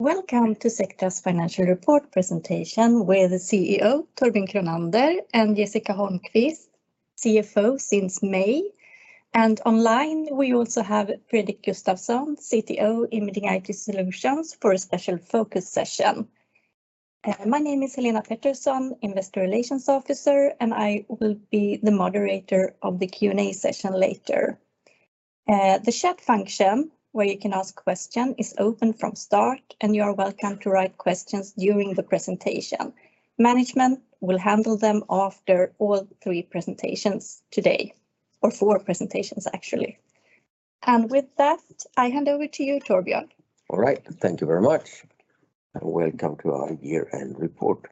Welcome to Sectra's financial report presentation. We're the CEO, Torbjörn Kronander, and Jessica Holmquist, CFO since May. Online, we also have Fredrik Gustavsson, CTO, Imaging IT Solutions, for a special focus session. My name is Helena Pettersson, Investor Relations Officer, and I will be the moderator of the Q&A session later. The chat function, where you can ask question, is open from start, and you are welcome to write questions during the presentation. Management will handle them after all three presentations today, or four presentations, actually. With that, I hand over to you, Torbjörn. All right. Thank you very much, and welcome to our year-end report.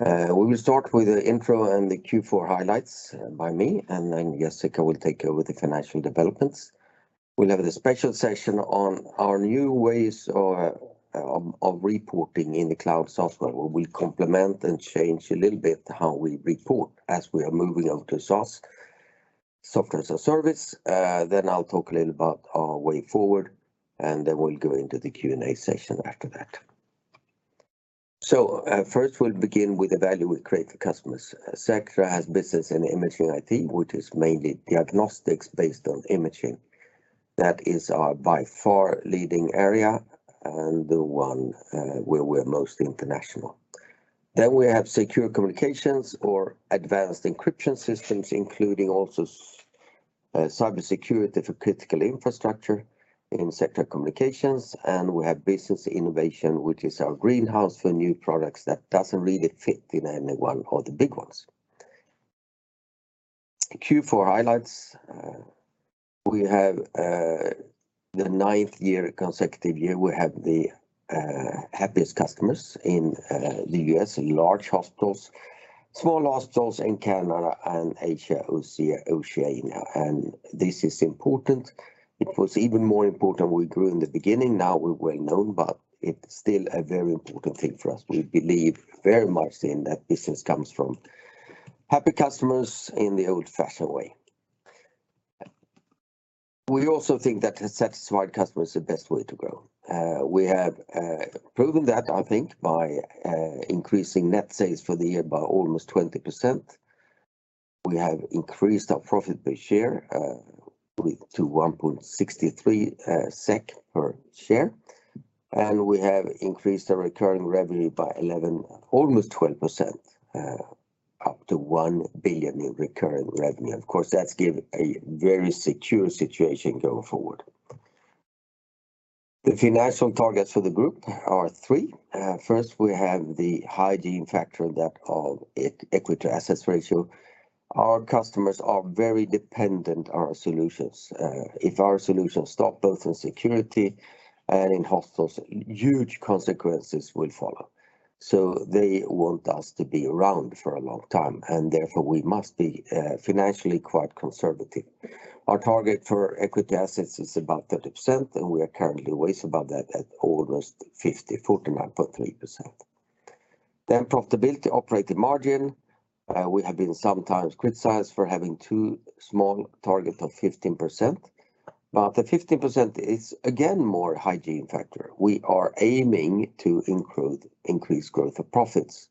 We will start with the intro and the Q4 highlights by me, and then Jessica will take over the financial developments. We'll have a special session on our new ways of reporting in the cloud software, where we complement and change a little bit how we report as we are moving on to SaaS, software as a service. Then I'll talk a little about our way forward, and then we'll go into the Q&A session after that. First, we'll begin with the value we create for customers. Sectra has business in Imaging IT, which is mainly diagnostics based on imaging. That is our by far leading area, and the one where we're most international. We have Secure Communications or advanced encryption systems, including also cybersecurity for critical infrastructure in Secure Communications. We have Business Innovation, which is our greenhouse for new products that doesn't really fit in any one of the big ones. Q4 highlights. We have the ninth consecutive year we have the happiest customers in the U.S., large hospitals, small hospitals in Canada and Asia, Oceania. This is important. It was even more important we grew in the beginning. Now, we're well-known, but it's still a very important thing for us. We believe very much in that business comes from happy customers in the old-fashioned way. We also think that a satisfied customer is the best way to grow. We have proven that, I think, by increasing net sales for the year by almost 20%. We have increased our profit per share to 1.63 SEK per share, and we have increased the recurring revenue by 11%, almost 12%, up to 1 billion in recurring revenue. Of course, that gives a very secure situation going forward. The financial targets for the group are three. First, we have the hygiene factor that of equity to assets ratio. Our customers are very dependent on our solutions. If our solutions stop, both in security and in hospitals, huge consequences will follow. They want us to be around for a long time, and therefore, we must be financially quite conservative. Our target for equity assets is about 30%, and we are currently way above that at almost 50%, 49.3%. Then profitability operating margin. We have been sometimes criticized for having too small target of 15%, but the 15% is, again, more hygiene factor. We are aiming to include increased growth of profits.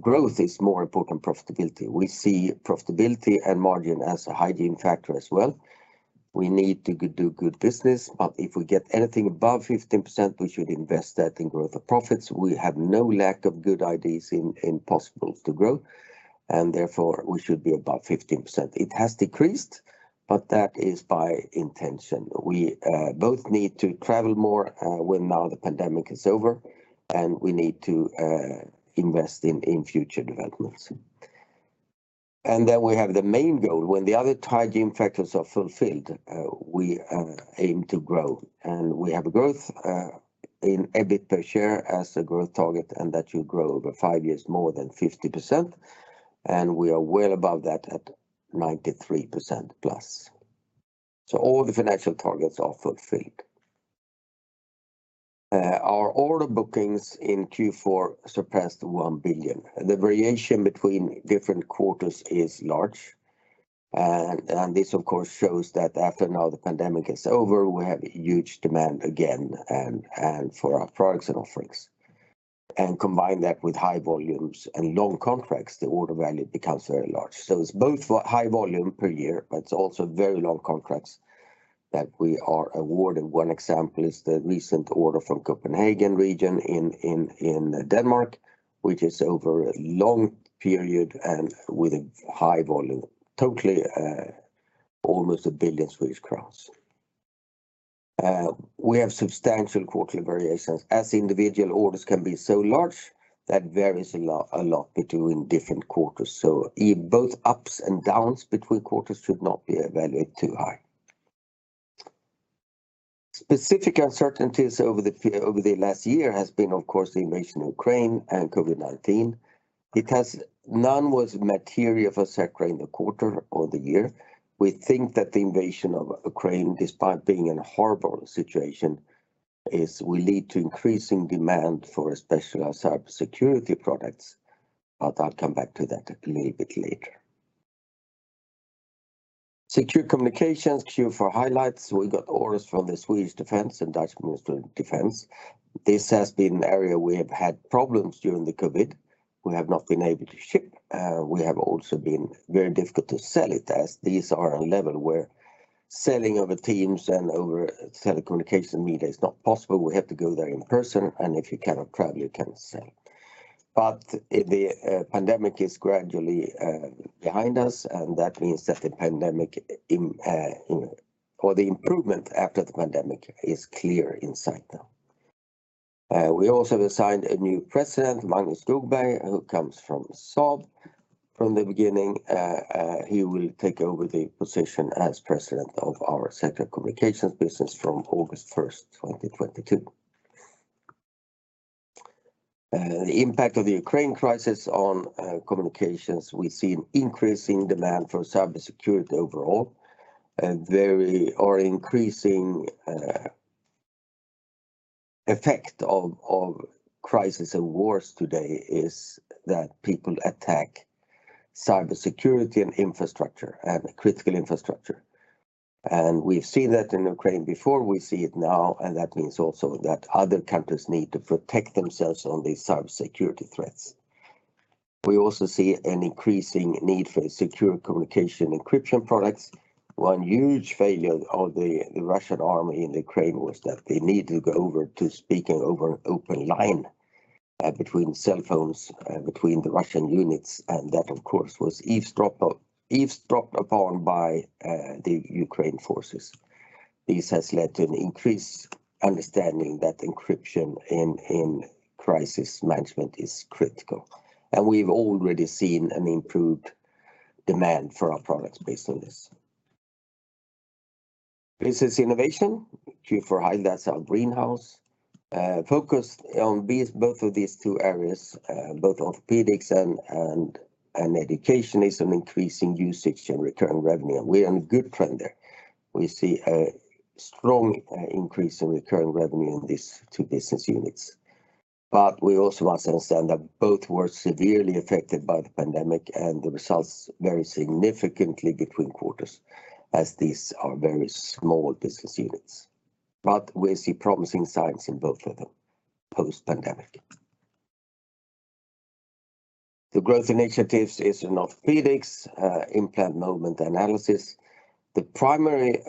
Growth is more important than profitability. We see profitability and margin as a hygiene factor as well. We need to do good business, but if we get anything above 15%, we should invest that in growth of profits. We have no lack of good ideas in possibilities to grow, and therefore, we should be above 15%. It has decreased, but that is by intention. We both need to travel more when now, the pandemic is over, and we need to invest in future developments. Then we have the main goal. When the other hygiene factors are fulfilled, we aim to grow. We have growth in EBIT per share as a growth target, and that should grow over five years more than 50%, and we are well above that at 93%+. All the financial targets are fulfilled. Our order bookings in Q4 surpassed 1 billion. The variation between different quarters is large. This, of course, shows that after now the pandemic is over, we have huge demand again and for our products and offerings. Combine that with high volumes and long contracts, the order value becomes very large. It's both for high volume per year, but it's also very long contracts that we are awarded. One example is the recent order from Copenhagen region in Denmark, which is over a long period and with a high volume, totally almost 1 billion. We have substantial quarterly variations, as individual orders can be so large, that varies a lot between different quarters. Both ups and downs between quarters should not be evaluated too high. Specific uncertainties over the last year has been, of course, the invasion of Ukraine and COVID-19. Because none was material for Sectra in the quarter or the year, we think that the invasion of Ukraine, despite being a horrible situation, will lead to increasing demand for especially our cybersecurity products, but I'll come back to that a little bit later. Secure Communications Q4 highlights. We got orders from the Swedish Armed Forces and Dutch Ministry of Defence. This has been an area we have had problems during the COVID. We have not been able to ship. It has also been very difficult to sell as these are at a level where selling over Teams and over telecommunication media is not possible. We have to go there in person, and if you cannot travel, you cannot sell. The pandemic is gradually behind us, and that means that the improvement after the pandemic is clearly in sight now. We also have appointed a new president, Magnus Skogberg, who comes from Saab. He will take over the position as president of our Secure Communications business from August first, 2022. The impact of the Ukraine crisis on communications, we see an increase in demand for cybersecurity overall. Increasing effect of crises and wars today is that people attack cybersecurity and critical infrastructure. We've seen that in Ukraine before, we see it now, and that means also that other countries need to protect themselves on these cybersecurity threats. We also see an increasing need for secure communication encryption products. One huge failure of the Russian army in Ukraine was that they need to go over to speaking over open line between cell phones between the Russian units, and that of course was eavesdropped upon by the Ukrainian forces. This has led to an increased understanding that encryption in crisis management is critical. We've already seen an improved demand for our products based on this. Business Innovation, Q4 highlight. That's our greenhouse. Focus on these both of these two areas both orthopedics and education is an increasing usage and recurring revenue. We're on a good trend there. We see a strong increase in recurring revenue in these two business units. We also must understand that both were severely affected by the pandemic, and the results vary significantly between quarters, as these are very small business units. We see promising signs in both of them post-pandemic. The growth initiatives is in orthopedics, implant movement analysis. The primary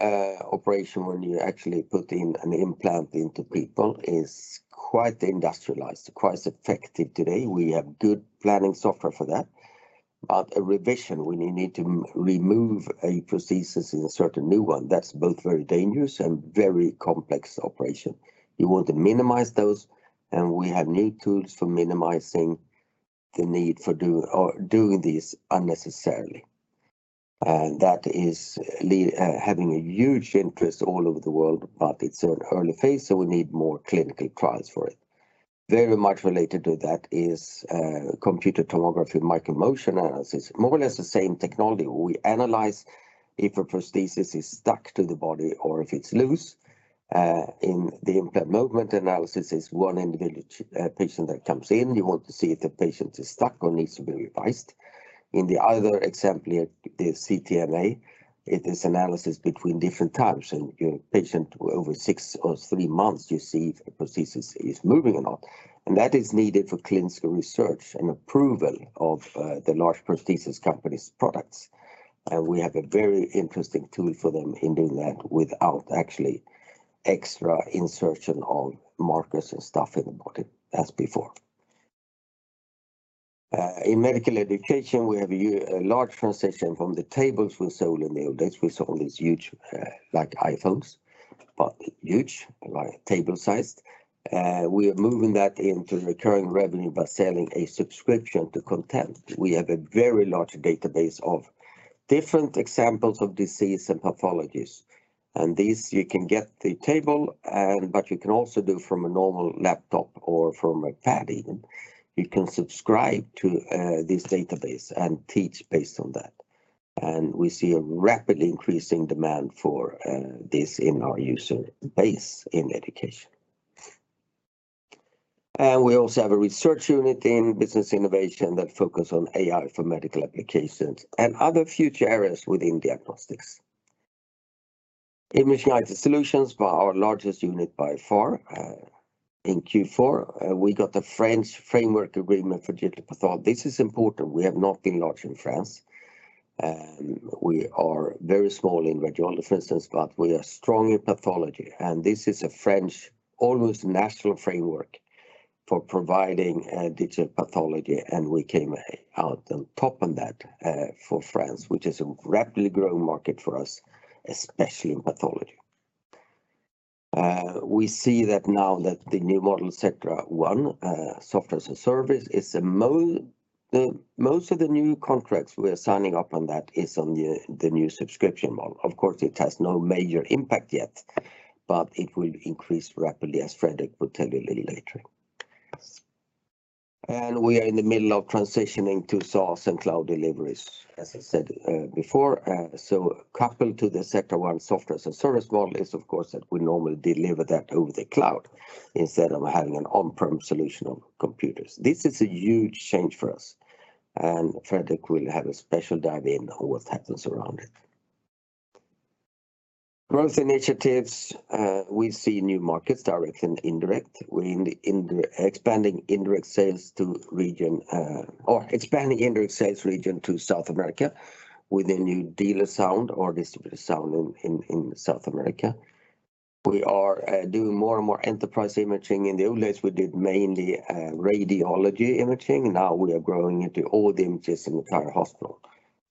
operation when you actually put in an implant into people is quite industrialized, quite effective today. We have good planning software for that. A revision, when you need to re-remove a prosthesis, insert a new one, that's both very dangerous and very complex operation. You want to minimize those, and we have new tools for minimizing the need for doing this unnecessarily. That is having a huge interest all over the world, but it's in early phase, so we need more clinical trials for it. Very much related to that is computer tomography micro motion analysis. More or less the same technology. We analyze if a prosthesis is stuck to the body or if it's loose. In the implant movement analysis, it's one individual patient that comes in. You want to see if the patient is stuck or needs to be revised. In the other example, the CTMA, it is analysis between different times. In your patient over six or three months, you see if a prosthesis is moving or not. That is needed for clinical research and approval of the large prosthesis company's products. We have a very interesting tool for them in doing that without actually extra insertion of markers and stuff in the body as before. In medical education, we have a large transition from the tables we sold in the old days. We sold these huge, like iPhones, but huge, like table-sized. We are moving that into recurring revenue by selling a subscription to content. We have a very large database of different examples of disease and pathologies. This, you can get the table, and but you can also do from a normal laptop or from a pad even. You can subscribe to this database and teach based on that. We see a rapidly increasing demand for this in our user base in education. We also have a research unit in Business Innovation that focus on AI for medical applications and other future areas within diagnostics. Imaging IT Solutions were our largest unit by far in Q4. We got the French framework agreement for digital pathology. This is important. We have not been large in France. We are very small in radiology, for instance, but we are strong in pathology. This is a French almost national framework for providing digital pathology, and we came out on top on that for France, which is a rapidly growing market for us, especially in pathology. We see that now that the new model Sectra One software service is the most of the new contracts we're signing up on that is on the new subscription model. Of course, it has no major impact yet, but it will increase rapidly, as Fredrik will tell you a little later. We are in the middle of transitioning to SaaS and cloud deliveries, as I said, before. Coupled to the Sectra One software as a service model is, of course, that we normally deliver that over the cloud instead of having an on-prem solution on computers. This is a huge change for us, and Fredrik will have a special dive in on what happens around it. Growth initiatives, we see new markets, direct and indirect. We're in the expanding indirect sales region to South America with a new dealer or distributor in South America. We are doing more and more enterprise imaging. In the old days, we did mainly radiology imaging. Now we are growing into all the images in the entire hospital,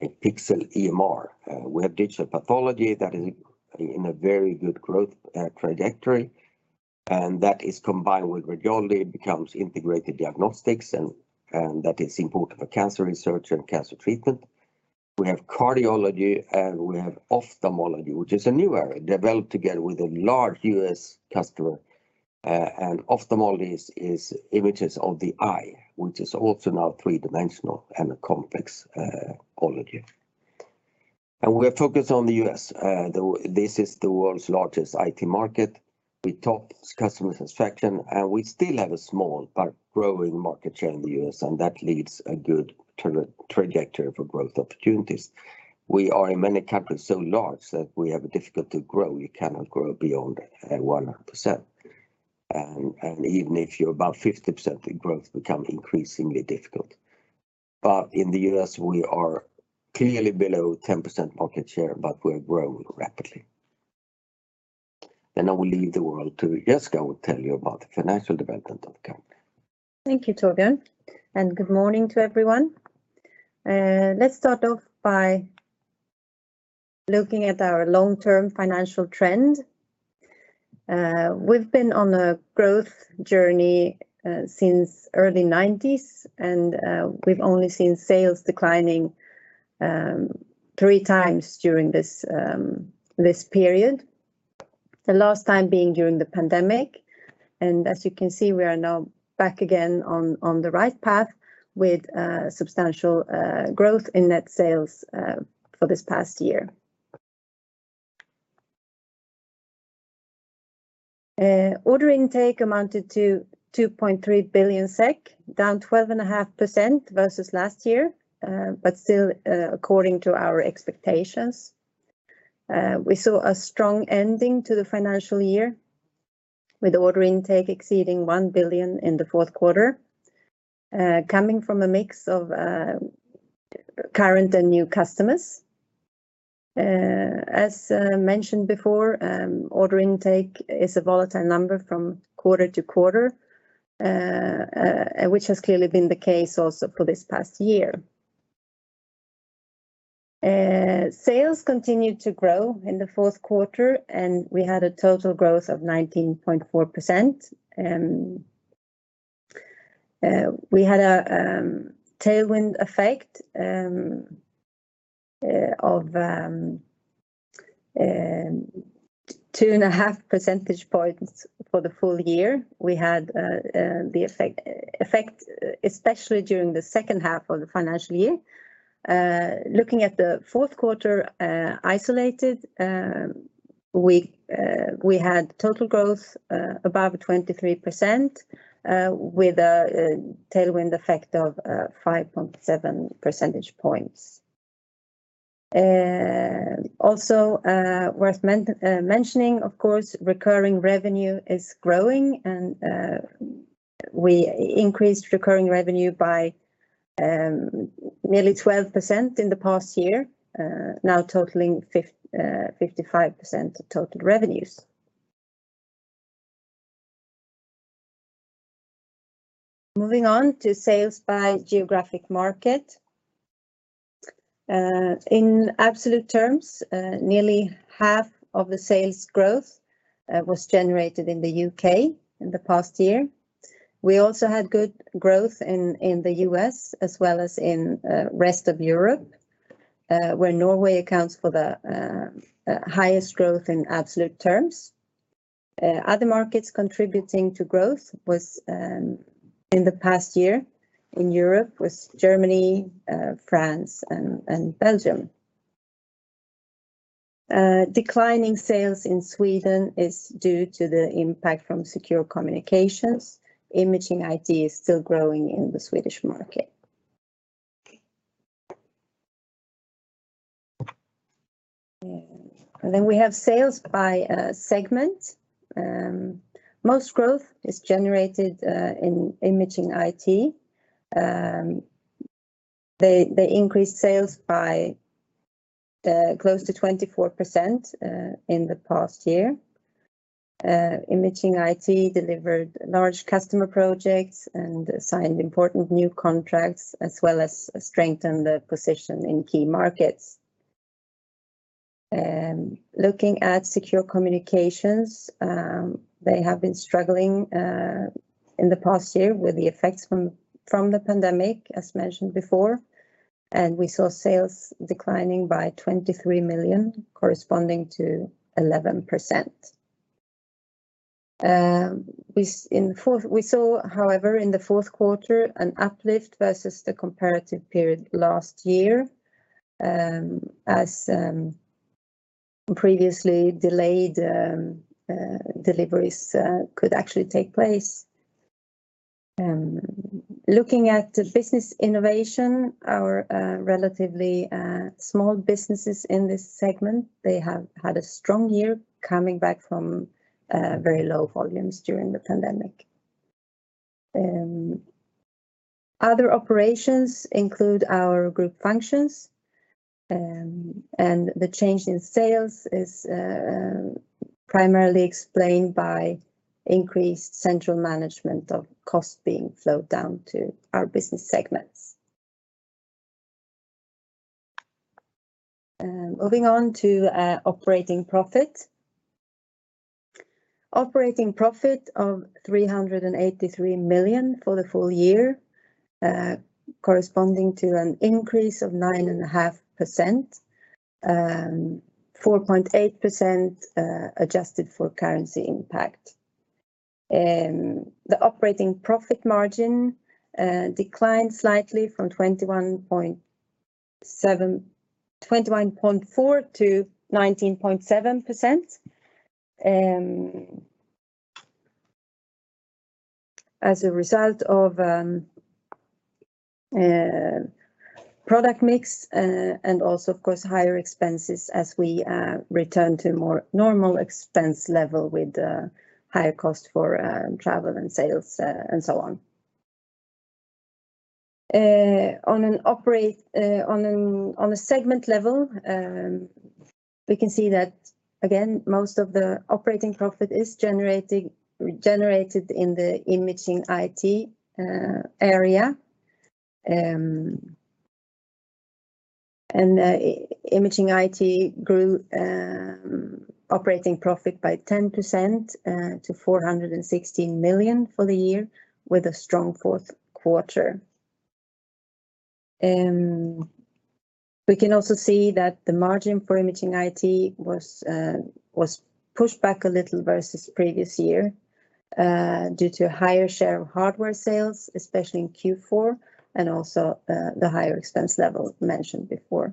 in Pixel EMR. We have digital pathology that is in a very good growth trajectory, and that is combined with radiology, it becomes integrated diagnostics, and that is important for cancer research and cancer treatment. We have cardiology, and we have ophthalmology, which is a new area developed together with a large U.S. customer. Ophthalmology is images of the eye, which is also now three-dimensional and a complex pathology. We are focused on the U.S. This is the world's largest IT market with top customer satisfaction, and we still have a small but growing market share in the U.S., and that leads a good trajectory for growth opportunities. We are in many countries so large that we have difficulty to grow. You cannot grow beyond 100%. Even if you're above 50%, the growth become increasingly difficult. In the U.S., we are clearly below 10% market share, but we're growing rapidly. I will leave the word to Jessica will tell you about the financial development of Sectra. Thank you, Torbjörn, and good morning to everyone. Let's start off by looking at our long-term financial trend. We've been on a growth journey since early 1990s, and we've only seen sales declining three times during this period, the last time being during the pandemic. As you can see, we are now back again on the right path with substantial growth in net sales for this past year. Order intake amounted to 2.3 billion SEK, down 12.5% versus last year, but still according to our expectations. We saw a strong ending to the financial year with order intake exceeding 1 billion in the fourth quarter, coming from a mix of current and new customers. As mentioned before, order intake is a volatile number from quarter to quarter, which has clearly been the case also for this past year. Sales continued to grow in the fourth quarter, and we had a total growth of 19.4%. We had a tailwind effect of 2.5 percentage points for the full year. We had the effect especially during the second half of the financial year. Looking at the fourth quarter isolated, we had total growth above 23%, with a tailwind effect of 5.7 percentage points. Also, worth mentioning, of course, recurring revenue is growing, and we increased recurring revenue by nearly 12% in the past year, now totaling 55% of total revenues. Moving on to sales by geographic market. In absolute terms, nearly half of the sales growth was generated in the U.K. in the past year. We also had good growth in the U.S. as well as in rest of Europe, where Norway accounts for the highest growth in absolute terms. Other markets contributing to growth was in the past year in Europe was Germany, France and Belgium. Declining sales in Sweden is due to the impact from Secure Communications. Imaging IT is still growing in the Swedish market. We have sales by segment. Most growth is generated in Imaging IT. They increased sales by close to 24% in the past year. Imaging IT delivered large customer projects and signed important new contracts, as well as strengthened the position in key markets. Looking at Secure Communications, they have been struggling in the past year with the effects from the pandemic, as mentioned before, and we saw sales declining by 23 million, corresponding to 11%. We saw, however, in the fourth quarter an uplift versus the comparative period last year, as previously delayed deliveries could actually take place. Looking at Business Innovation, our relatively small businesses in this segment, they have had a strong year coming back from very low volumes during the pandemic. Other operations include our group functions. The change in sales is primarily explained by increased central management costs being flowed down to our business segments. Moving on to operating profit. Operating profit of 383 million for the full year, corresponding to an increase of 9.5%, 4.8% adjusted for currency impact. The operating profit margin declined slightly from 21.4%-19.7%, as a result of product mix and also of course higher expenses as we return to more normal expense level with higher costs for travel and sales and so on. On a segment level, we can see that again, most of the operating profit is generated in the Imaging IT area. Imaging IT grew operating profit by 10% to 416 million for the year with a strong fourth quarter. We can also see that the margin for Imaging IT was pushed back a little versus previous year due to higher share of hardware sales, especially in Q4, and also the higher expense level mentioned before.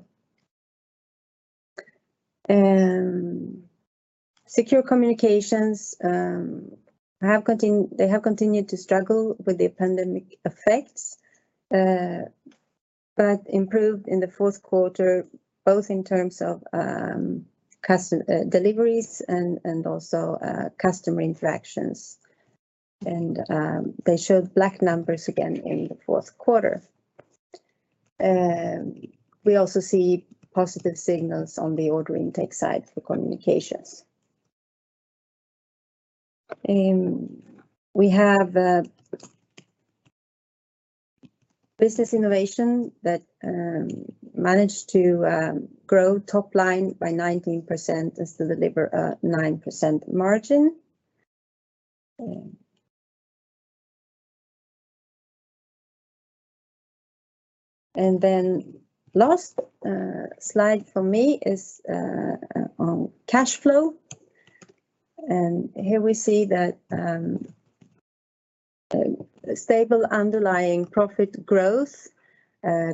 Secure Communications have continued to struggle with the pandemic effects but improved in the fourth quarter, both in terms of customer deliveries and also customer interactions. They showed black numbers again in the fourth quarter. We also see positive signals on the order intake side for communications. We have Business Innovation that managed to grow top line by 19% as to deliver a 9% margin. Last slide for me is on cash flow. Here we see that stable underlying profit growth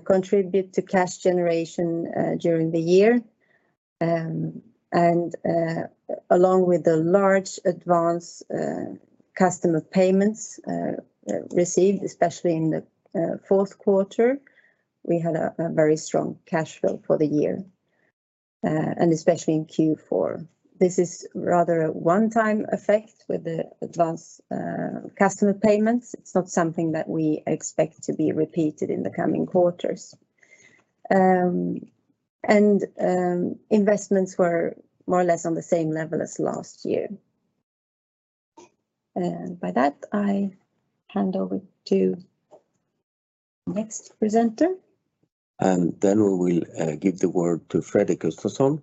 contribute to cash generation during the year. Along with the large advance customer payments received, especially in the fourth quarter, we had a very strong cash flow for the year, and especially in Q4. This is rather a one-time effect with the advanced customer payments. It's not something that we expect to be repeated in the coming quarters. Investments were more or less on the same level as last year. By that, I hand over to next presenter. We will give the word to Fredrik Gustavsson.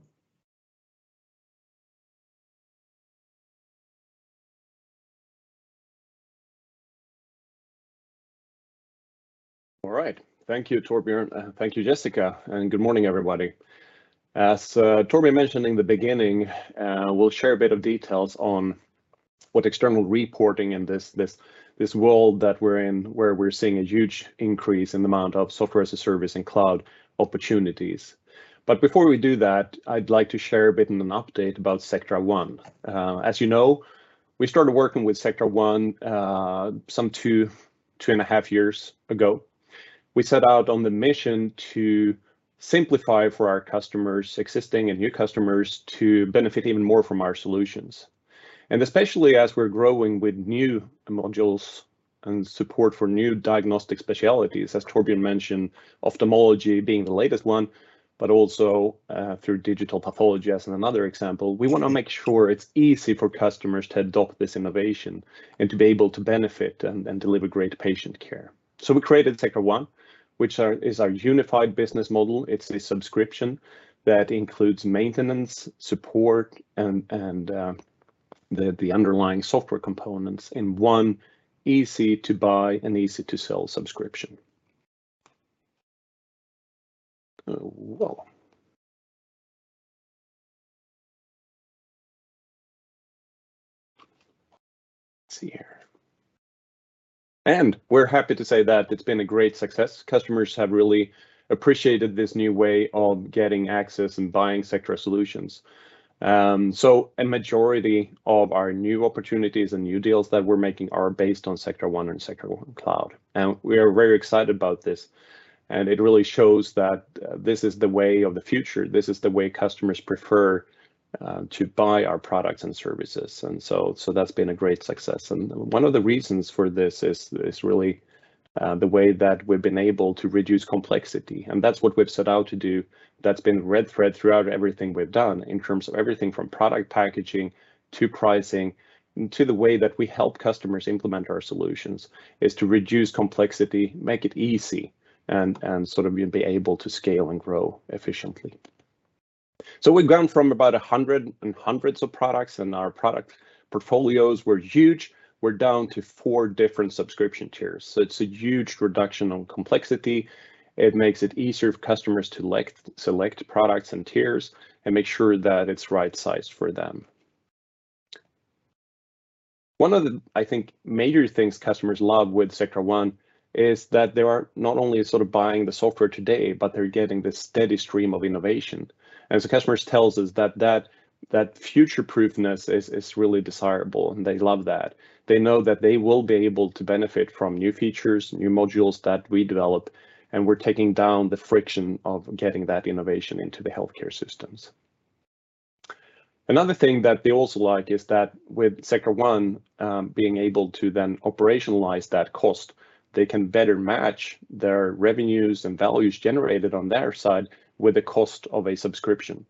All right. Thank you, Torbjörn. Thank you, Jessica. Good morning, everybody. As Torbjörn mentioned in the beginning, we'll share a bit of details on what external reporting in this world that we're in, where we're seeing a huge increase in the amount of software as a service and cloud opportunities. Before we do that, I'd like to share a bit of an update about Sectra One. As you know, we started working with Sectra One some two and half years ago. We set out on the mission to simplify for our customers, existing and new customers, to benefit even more from our solutions. Especially as we're growing with new modules and support for new diagnostic specialties, as Torbjörn mentioned, ophthalmology being the latest one, but also through digital pathology as another example, we wanna make sure it's easy for customers to adopt this innovation and to be able to benefit and deliver great patient care. We created Sectra One, which is our unified business model. It's a subscription that includes maintenance, support, and the underlying software components in one easy to buy and easy to sell subscription. We're happy to say that it's been a great success. Customers have really appreciated this new way of getting access and buying Sectra Solutions. Majority of our new opportunities and new deals that we're making are based on Sectra One and Sectra One Cloud. We are very excited about this, and it really shows that this is the way of the future. This is the way customers prefer to buy our products and services. That's been a great success. One of the reasons for this is really the way that we've been able to reduce complexity, and that's what we've set out to do. That's been red thread throughout everything we've done in terms of everything from product packaging to pricing to the way that we help customers implement our solutions, to reduce complexity, make it easy, and sort of be able to scale and grow efficiently. We've gone from about 100 and hundreds of products, and our product portfolios were huge. We're down to four different subscription tiers. It's a huge reduction on complexity. It makes it easier for customers to select products and tiers and make sure that it's right size for them. One of the, I think, major things customers love with Sectra One is that they are not only sort of buying the software today, but they're getting this steady stream of innovation. As the customers tells us that that future-proofness is really desirable, and they love that. They know that they will be able to benefit from new features, new modules that we develop, and we're taking down the friction of getting that innovation into the healthcare systems. Another thing that they also like is that with Sectra One, being able to then operationalize that cost, they can better match their revenues and values generated on their side with the cost of a subscription.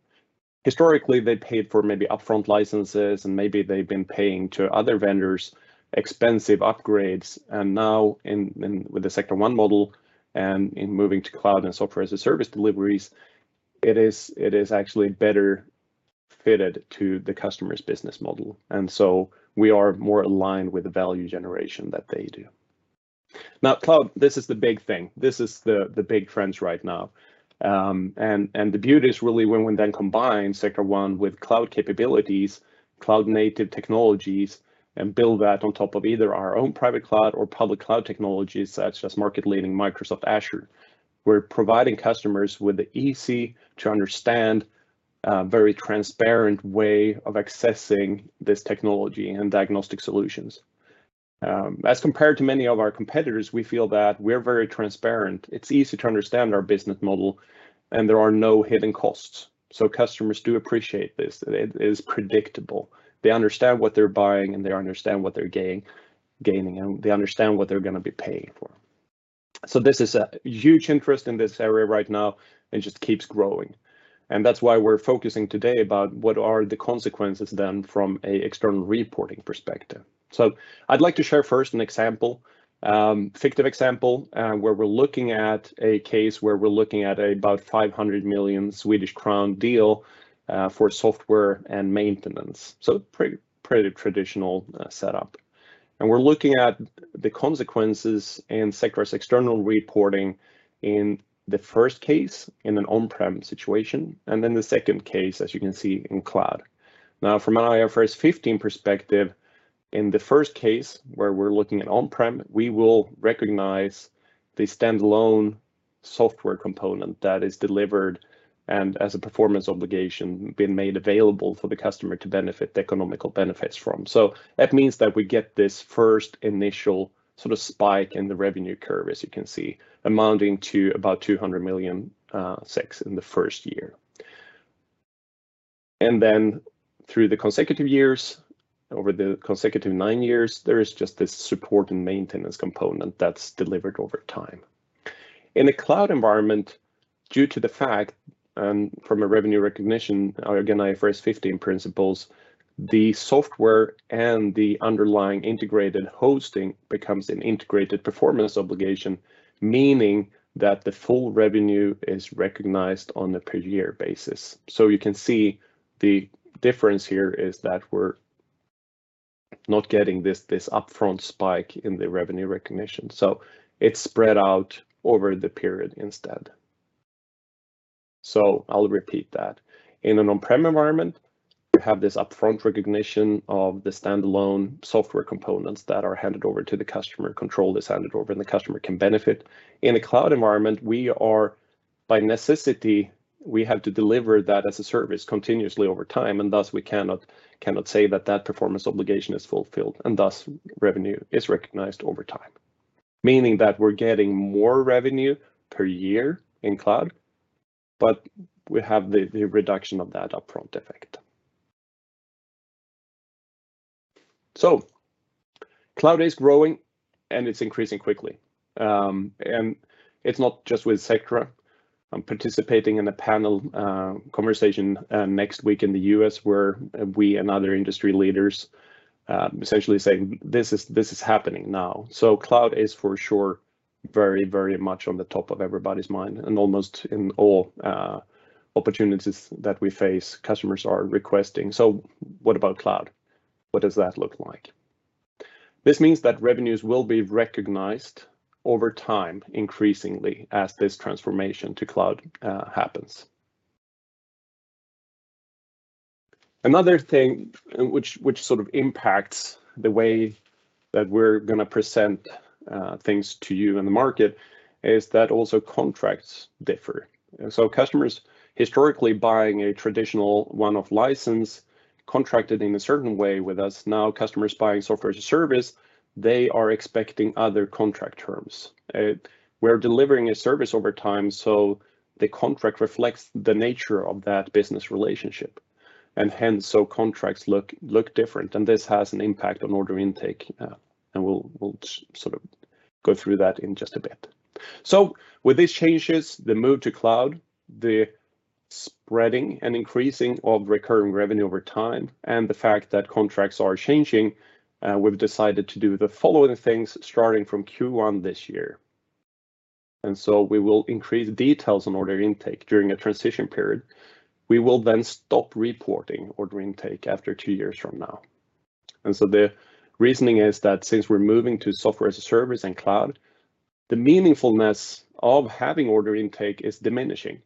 Historically, they paid for maybe upfront licenses, and maybe they've been paying to other vendors expensive upgrades. Now with the Sectra One model and in moving to cloud and software-as-a-service deliveries, it is actually better fitted to the customer's business model. We are more aligned with the value generation that they do. Now cloud, this is the big thing. This is the big trends right now. The beauty is really when we then combine Sectra One with cloud capabilities, cloud-native technologies, and build that on top of either our own private cloud or public cloud technologies such as market-leading Microsoft Azure. We're providing customers with the easy-to-understand, very transparent way of accessing this technology and diagnostic solutions. As compared to many of our competitors, we feel that we're very transparent. It's easy to understand our business model, and there are no hidden costs. Customers do appreciate this. It is predictable. They understand what they're buying, and they understand what they're gaining, and they understand what they're gonna be paying for. This is a huge interest in this area right now and just keeps growing. That's why we're focusing today about what are the consequences then from an external reporting perspective. I'd like to share first an example, fictive example, where we're looking at a case where we're looking at about 500 million Swedish crown deal, for software and maintenance, so pretty traditional setup. We're looking at the consequences in Sectra's external reporting in the first case in an on-prem situation and then the second case, as you can see, in cloud. From an IFRS 15 perspective, in the first case where we're looking at on-prem, we will recognize the standalone software component that is delivered and as a performance obligation been made available for the customer to benefit the economical benefits from. That means that we get this first initial sort of spike in the revenue curve, as you can see, amounting to about 200 million in the first year. Then through the consecutive years, over the consecutive nine years, there is just this support and maintenance component that's delivered over time. In a cloud environment, due to the fact and from a revenue recognition, again, IFRS 15 principles, the software and the underlying integrated hosting becomes an integrated performance obligation, meaning that the full revenue is recognized on a per year basis. You can see the difference here is that we're not getting this upfront spike in the revenue recognition. It's spread out over the period instead. I'll repeat that. In an on-prem environment, we have this upfront recognition of the standalone software components that are handed over to the customer, control is handed over, and the customer can benefit. In a cloud environment, we are, by necessity, we have to deliver that as a service continuously over time, and thus we cannot say that performance obligation is fulfilled, and thus revenue is recognized over time, meaning that we're getting more revenue per year in cloud, but we have the reduction of that upfront effect. Cloud is growing, and it's increasing quickly. It's not just with Sectra. I'm participating in a panel conversation next week in the U.S. where we and other industry leaders are essentially saying this is happening now. Cloud is for sure very, very much on the top of everybody's mind and almost in all opportunities that we face, customers are requesting. "So what about Cloud? What does that look like?" This means that revenues will be recognized over time increasingly as this transformation to cloud happens. Another thing which sort of impacts the way that we're going to present things to you in the market is that also contracts differ. Customers historically buying a traditional one-off license contracted in a certain way with us. Now customers buying software as a service, they are expecting other contract terms. We're delivering a service over time, so the contract reflects the nature of that business relationship. Hence, contracts look different. This has an impact on order intake. We'll sort of go through that in just a bit. With these changes, the move to cloud, the spreading and increasing of recurring revenue over time, and the fact that contracts are changing, we've decided to do the following things starting from Q1 this year. We will increase details on order intake during a transition period. We will then stop reporting order intake after two years from now. The reasoning is that since we're moving to software as a service and cloud, the meaningfulness of having order intake is diminishing.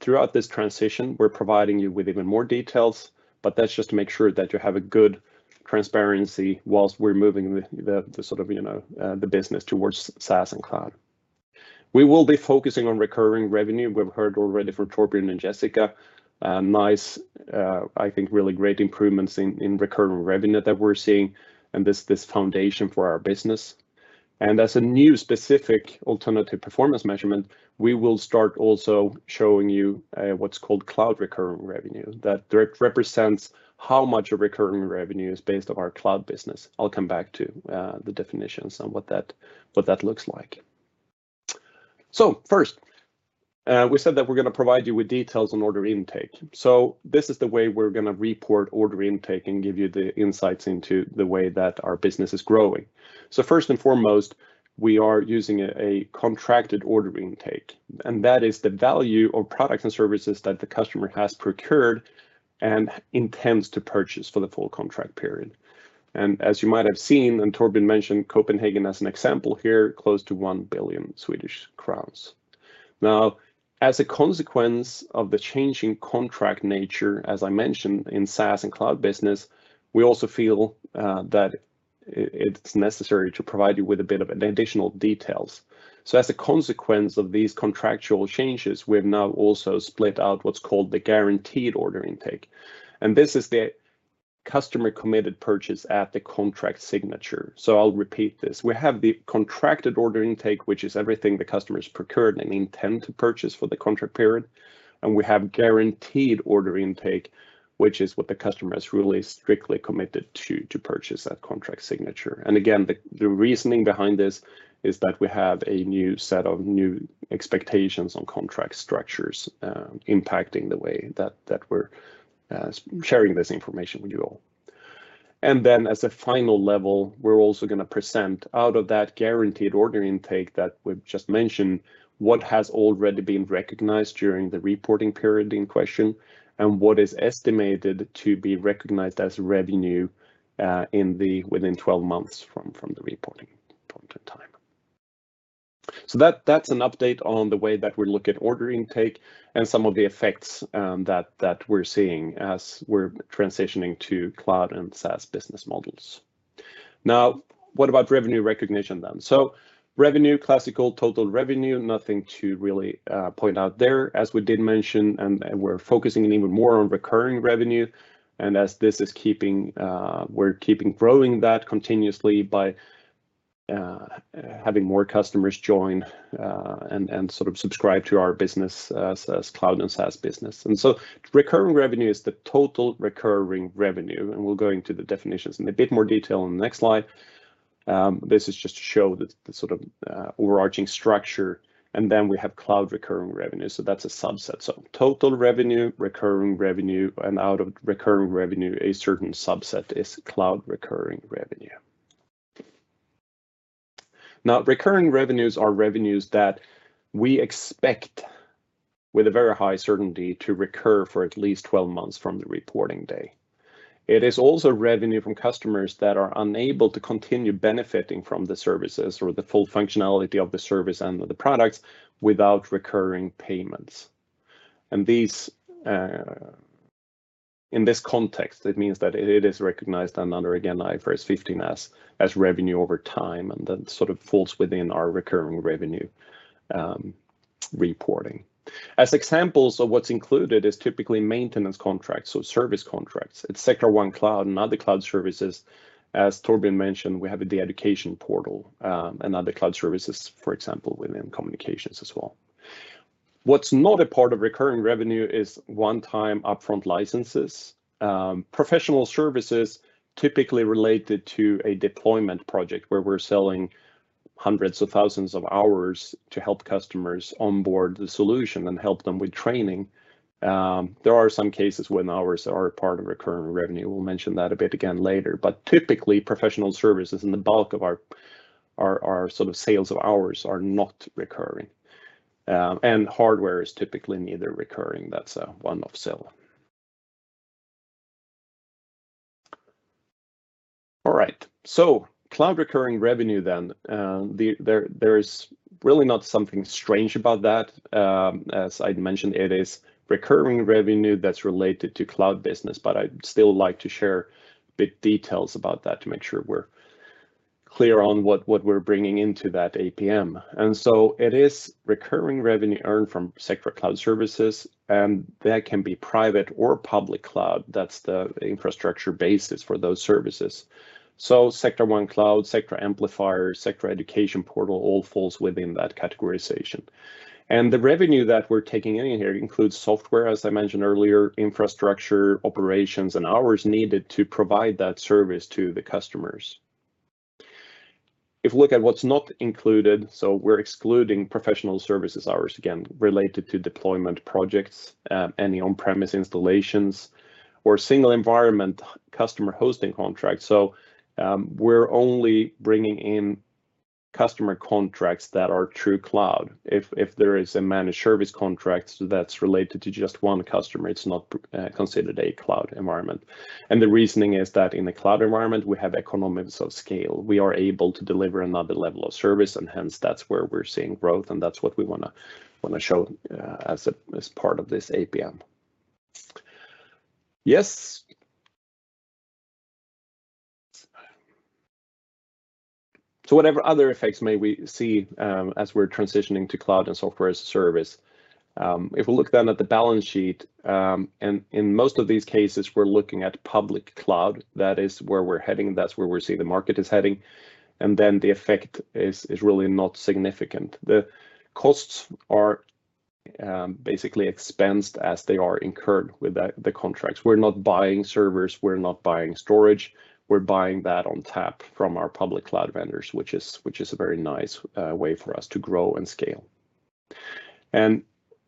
Throughout this transition, we're providing you with even more details. That's just to make sure that you have a good transparency whilst we're moving the sort of, you know, the business towards SaaS and Cloud. We will be focusing on recurring revenue. We've heard already from Torbjörn and Jessica. Nice, I think really great improvements in recurring revenue that we're seeing and this foundation for our business. As a new specific alternative performance measurement, we will start also showing you what's called Cloud Recurring Revenue that represents how much of recurring revenue is based on our Cloud business. I'll come back to the definitions on what that looks like. First, we said that we're going to provide you with details on order intake. This is the way we're going to report order intake and give you the insights into the way that our business is growing. First and foremost, we are using a contracted order intake. That is the value of products and services that the customer has procured and intends to purchase for the full contract period. As you might have seen, Torbjörn mentioned Copenhagen as an example here, close to 1 billion Swedish crowns. Now, as a consequence of the changing contract nature, as I mentioned in SaaS and cloud business, we also feel that it's necessary to provide you with a bit of additional details. As a consequence of these contractual changes, we've now also split out what's called the guaranteed order intake. This is the customer committed purchase at the contract signature. I'll repeat this. We have the contracted order intake, which is everything the customer has procured and intend to purchase for the contract period. We have guaranteed order intake, which is what the customer has really strictly committed to purchase at contract signature. Again, the reasoning behind this is that we have a new set of expectations on contract structures impacting the way that we're sharing this information with you all. As a final level, we're also going to present out of that guaranteed order intake that we've just mentioned, what has already been recognized during the reporting period in question and what is estimated to be recognized as revenue within 12 months from the reporting point in time. That's an update on the way that we look at order intake and some of the effects that we're seeing as we're transitioning to cloud and SaaS business models. Now, what about revenue recognition then? Revenue, classical total revenue, nothing to really point out there, as we did mention, and we're focusing even more on recurring revenue. As this is keeping, we're keeping growing that continuously by having more customers join and sort of subscribe to our business as cloud and SaaS business. Recurring revenue is the Total Recurring Revenue. We'll go into the definitions in a bit more detail on the next slide. This is just to show the sort of overarching structure. We have Cloud Recurring Revenue. That's a subset. Total revenue, recurring revenue, and out of recurring revenue, a certain subset is Cloud Recurring Revenue. Now, recurring revenues are revenues that we expect with a very high certainty to recur for at least 12 months from the reporting day. It is also revenue from customers that are unable to continue benefiting from the services or the full functionality of the service and the products without recurring payments. These, in this context, it means that it is recognized under again IFRS 15 as revenue over time and that sort of falls within our recurring revenue reporting. As examples of what's included is typically maintenance contracts or service contracts. It's Sectra One Cloud and other Cloud services. As Torbjörn mentioned, we have the Education Portal and other cloud services, for example, within communications as well. What's not a part of recurring revenue is one-time upfront licenses. Professional services typically related to a deployment project where we're selling hundreds of thousands of hours to help customers onboard the solution and help them with training. There are some cases when hours are a part of recurring revenue. We'll mention that a bit again later. But typically, professional services and the bulk of our sort of sales of hours are not recurring. Hardware is typically neither recurring. That's a one-off sale. All right. Cloud Recurring Revenue then. There is really not something strange about that. As I'd mentioned, it is recurring revenue that's related to Cloud business, but I'd still like to share a bit of details about that to make sure we're clear on what we're bringing into that APM. It is recurring revenue earned from Sectra Cloud services, and that can be private or public cloud. That's the infrastructure basis for those services. Sectra One Cloud, Sectra Amplifier, Sectra Education Portal all falls within that categorization. The revenue that we're taking in here includes software, as I mentioned earlier, infrastructure, operations, and hours needed to provide that service to the customers. If you look at what's not included, we're excluding professional services hours, again, related to deployment projects, any on-premise installations or single environment customer hosting contracts. We're only bringing in customer contracts that are true Cloud. If there is a managed service contract that's related to just one customer, it's not considered a cloud environment. The reasoning is that in the cloud environment, we have economics of scale. We are able to deliver another level of service, and hence that's where we're seeing growth, and that's what we wanna show as a part of this APM. Yes. Whatever other effects may we see as we're transitioning to cloud and software as a service, if we look then at the balance sheet, and in most of these cases we're looking at public cloud, that is where we're heading, that's where we're seeing the market is heading, and then the effect is really not significant. The costs are basically expensed as they are incurred with the contracts. We're not buying servers, we're not buying storage, we're buying that on tap from our public cloud vendors, which is a very nice way for us to grow and scale.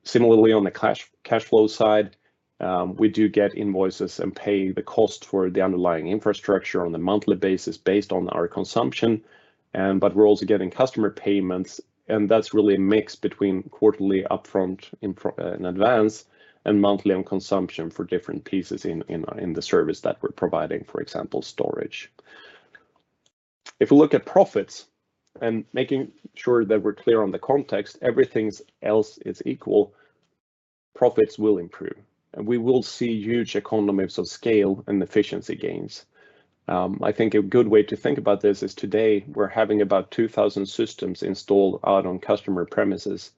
Similarly on the cash flow side, we do get invoices and pay the cost for the underlying infrastructure on a monthly basis based on our consumption and We're also getting customer payments, and that's really a mix between quarterly upfront, in advance, and monthly on consumption for different pieces in the service that we're providing, for example, storage. If you look at profits and making sure that we're clear on the context, everything else is equal, profits will improve, and we will see huge economies of scale and efficiency gains. I think a good way to think about this is today we're having about 2,000 systems installed out on customer premises,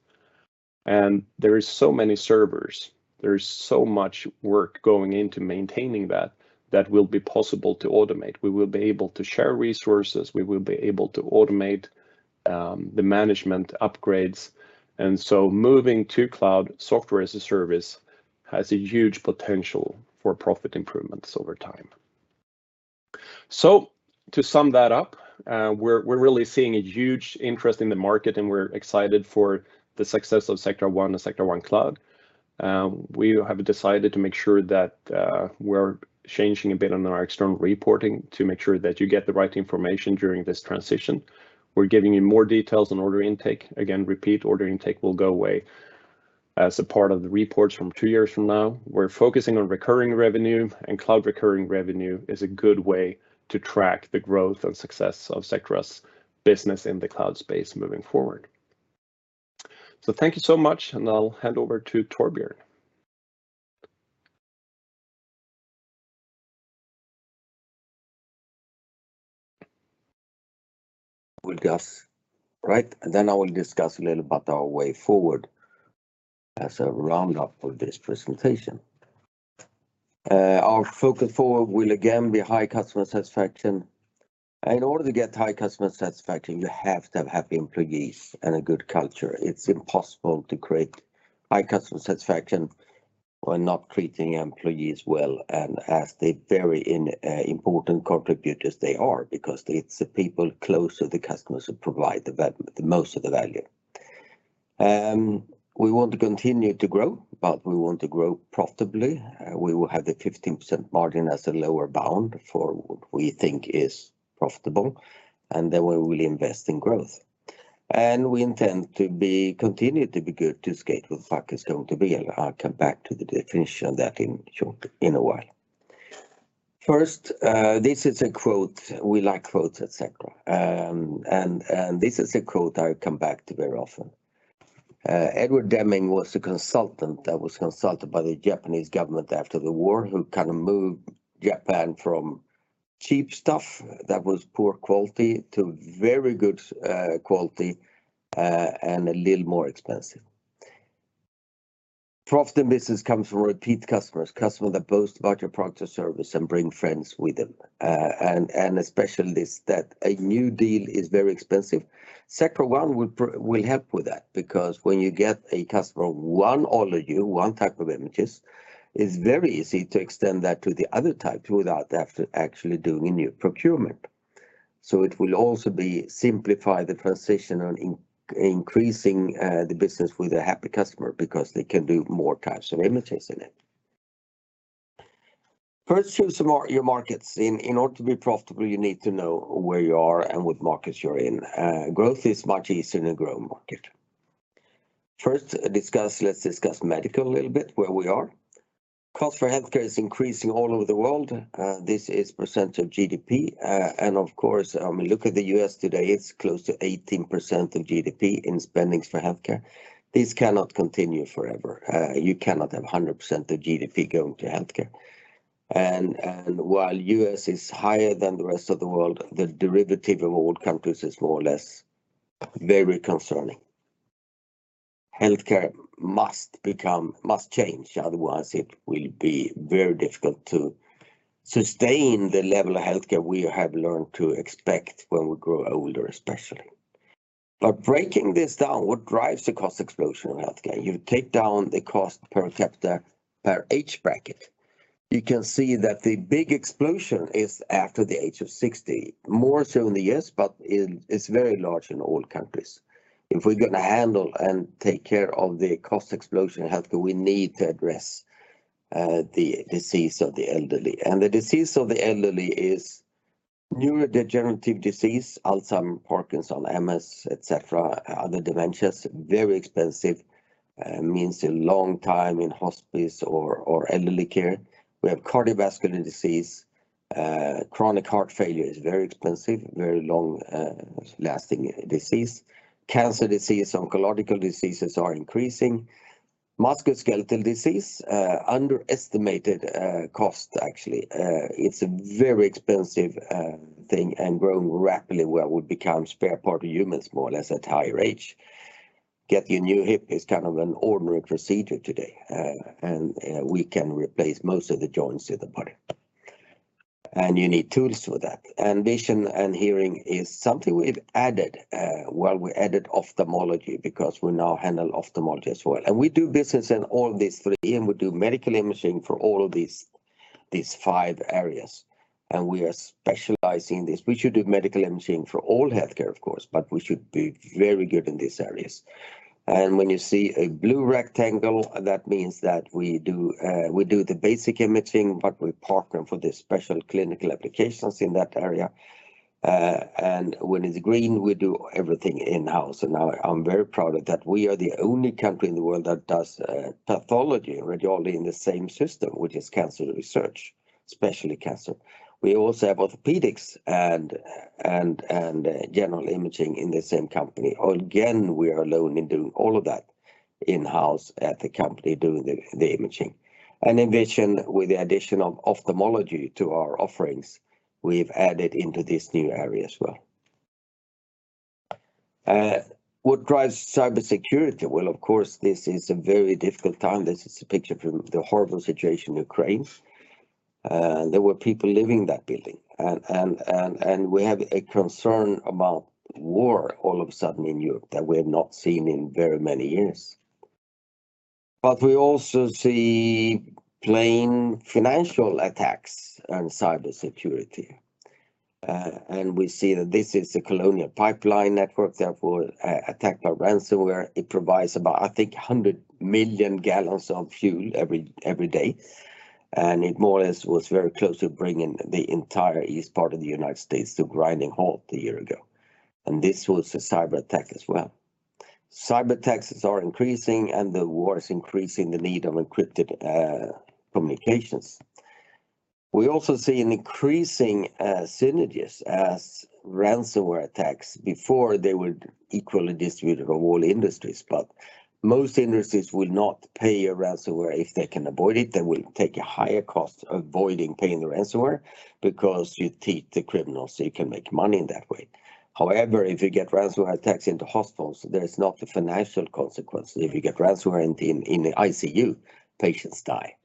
and there is so many servers. There's so much work going into maintaining that that will be possible to automate. We will be able to share resources. We will be able to automate the management upgrades. Moving to cloud software as a service has a huge potential for profit improvements over time. To sum that up, we're really seeing a huge interest in the market, and we're excited for the success of Sectra One and Sectra One Cloud. We have decided to make sure that we're changing a bit on our external reporting to make sure that you get the right information during this transition. We're giving you more details on order intake. Again, repeat order intake will go away as a part of the reports from two years from now. We're focusing on recurring revenue, and cloud recurring revenue is a good way to track the growth and success of Sectra's business in the cloud space moving forward. Thank you so much, and I'll hand over to Torbjörn. I will discuss a little about our way forward as a roundup for this presentation. Our focus forward will again be high customer satisfaction. In order to get high customer satisfaction, you have to have happy employees and a good culture. It's impossible to create high customer satisfaction by not treating employees well and as the very important contributors they are, because it's the people close to the customers who provide the most of the value. We want to continue to grow, but we want to grow profitably. We will have the 15% margin as a lower bound for what we think is profitable, and we will invest in growth. We intend to continue to be to skate to where the puck is going to be, and I'll come back to the definition of that in a short while. First, this is a quote. We like quotes at Sectra. This is a quote I come back to very often. W. Edwards Deming was a consultant who was consulted by the Japanese government after the war who kind of moved Japan from cheap stuff that was poor quality to very good quality and a little more expensive. Profit in business comes from repeat customers that boast about your product or service and bring friends with them, and especially that a new deal is very expensive. Sectra One will help with that because when you get a customer one order you, one type of images, it's very easy to extend that to the other types without have to actually doing a new procurement. It will also simplify the transition on increasing the business with a happy customer because they can do more types of images in it. Pursue some of your markets. In order to be profitable, you need to know where you are and what markets you're in. Growth is much easier in a growing market. Let's discuss medical a little bit, where we are. Costs for healthcare are increasing all over the world. This is percent of GDP. Of course, look at the U.S. today, it's close to 18% of GDP in spending for healthcare. This cannot continue forever. You cannot have 100% of GDP going to healthcare. While U.S. is higher than the rest of the world, the derivative of all countries is more or less very concerning. Healthcare must change, otherwise it will be very difficult to sustain the level of healthcare we have learned to expect when we grow older, especially. Breaking this down, what drives the cost explosion in healthcare? You take down the cost per capita per age bracket. You can see that the big explosion is after the age of 60. More so in the U.S., but it's very large in all countries. If we're gonna handle and take care of the cost explosion in healthcare, we need to address the disease of the elderly. The disease of the elderly is neurodegenerative disease, Alzheimer's, Parkinson's, MS, et cetera, other dementias, very expensive, means a long time in hospice or elderly care. We have cardiovascular disease, chronic heart failure is very expensive, very long, lasting disease. Cancer disease, oncological diseases are increasing. Musculoskeletal disease, underestimated, cost actually. It's a very expensive, thing and growing rapidly where we become spare part of humans more or less at higher age. Get your new hip is kind of an ordinary procedure today. We can replace most of the joints in the body. You need tools for that. Vision and hearing is something we've added, well, we added ophthalmology because we now handle ophthalmology as well. We do business in all these three, and we do medical imaging for all of these five areas. We are specializing this. We should do medical imaging for all healthcare of course, but we should be very good in these areas. When you see a blue rectangle, that means that we do the basic imaging, but we partner for the special clinical applications in that area. When it's green, we do everything in-house. Now I'm very proud that we are the only company in the world that does pathology radiologically in the same system, which is cancer research, especially cancer. We also have orthopedics and general imaging in the same company. Again, we are alone in doing all of that in-house at the company doing the imaging. In vision, with the addition of ophthalmology to our offerings, we've added into this new area as well. What drives cybersecurity? Well, of course, this is a very difficult time. This is a picture from the horrible situation in Ukraine. There were people living in that building. We have a concern about war all of a sudden in Europe that we have not seen in very many years. We also see plain financial attacks on cybersecurity. We see that this is the Colonial Pipeline network that was attacked by ransomware. It provides about, I think, 100 million gal of fuel every day. It more or less was very close to bringing the entire east part of the United States to grinding halt a year ago. This was a cyberattack as well. Cyberattacks are increasing, and the war is increasing the need of encrypted communications. We also see an increasing synergies as ransomware attacks. Before, they were equally distributed over all industries, but most industries will not pay a ransomware if they can avoid it. They will take a higher cost avoiding paying the ransomware because you teach the criminals they can make money in that way. However, if you get ransomware attacks into hospitals, there is not the financial consequences. If you get ransomware in the ICU, patients die.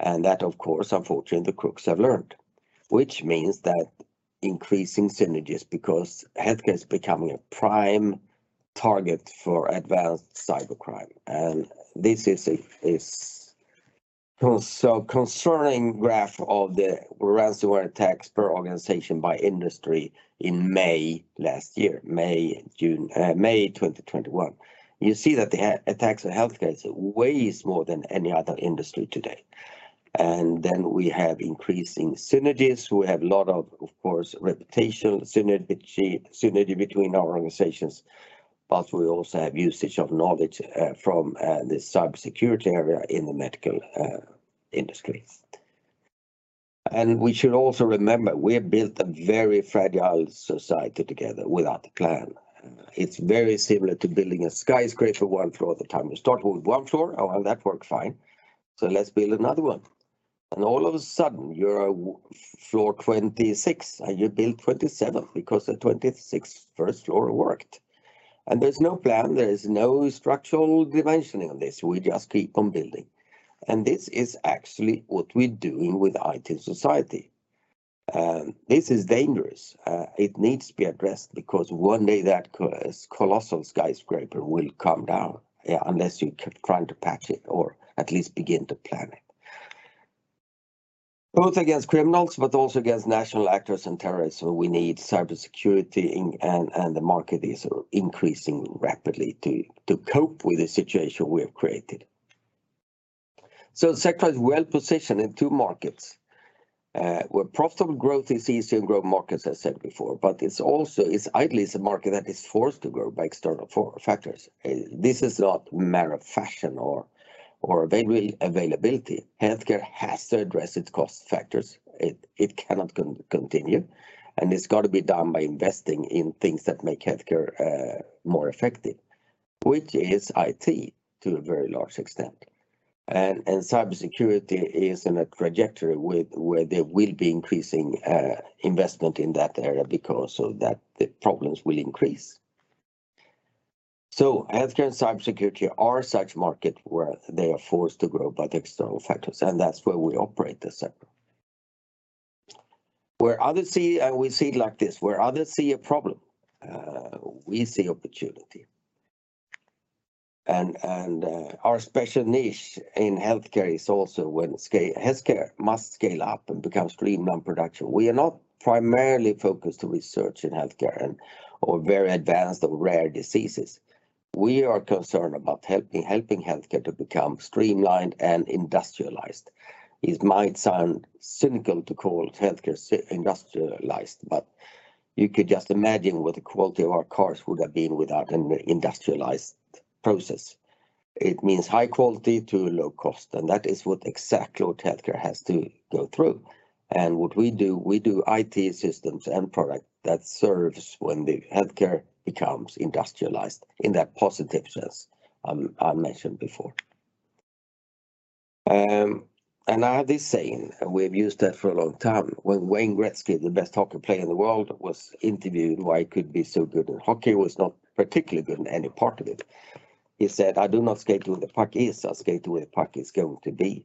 That, of course, unfortunately, the crooks have learned. Which means that increasing synergies because healthcare is becoming a prime target for advanced cybercrime. This is so concerning graph of the ransomware attacks per organization by industry in May 2021. You see that the attacks on healthcare is way more than any other industry today. We have increasing synergies. We have a lot of course, reputational synergy between our organizations. We also have usage of knowledge from the cybersecurity area in the medical industry. We should also remember, we have built a very fragile society together without a plan. It's very similar to building a skyscraper one floor at a time. You start with one floor. Well, that worked fine. Let's build another one. All of a sudden, you're floor 26, and you build 27 because the 26th first floor worked. There's no plan, there's no structural dimensioning on this. We just keep on building. This is actually what we're doing with IT society. This is dangerous. It needs to be addressed because one day that colossal skyscraper will come down, unless you keep trying to patch it or at least begin to plan it. Both against criminals, but also against national actors and terrorists, we need cybersecurity, and the market is increasing rapidly to cope with the situation we have created. Sectra is well positioned in two markets, where profitable growth is easy in growth markets, as said before, but it's also ideally a market that is forced to grow by external factors. This is not a matter of fashion or availability. Healthcare has to address its cost factors. It cannot continue, and it's gotta be done by investing in things that make healthcare more effective, which is IT to a very large extent. Cybersecurity is in a trajectory where there will be increasing investment in that area because of that, the problems will increase. Healthcare and cybersecurity are such markets where they are forced to grow by the external factors, and that's where we operate as Sectra. Where others see, we see it like this: where others see a problem, we see opportunity. Our special niche in healthcare is also when healthcare must scale up and become streamlined production. We are not primarily focused to research in healthcare and or very advanced or rare diseases. We are concerned about helping healthcare to become streamlined and industrialized. It might sound cynical to call healthcare industrialized, but you could just imagine what the quality of our cars would have been without an industrialized process. It means high quality to low cost, and that is exactly what healthcare has to go through. What we do, we do IT systems and products that serve when the healthcare becomes industrialized in that positive sense, I mentioned before. I have this saying, and we've used that for a long time. When Wayne Gretzky, the best hockey player in the world, was interviewed why he could be so good at hockey, he was not particularly good in any part of it, he said, "I do not skate to where the puck is, I skate to where the puck is going to be."